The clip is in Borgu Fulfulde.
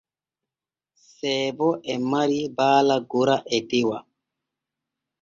Seebo e mari baala gora e dewa.